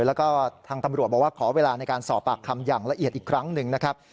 แล้วก็ทางตำรวจบอกว่าขอเวลาในการสอบปากคำอย่างละเอียดอีกครั้งหนึ่งนะครับ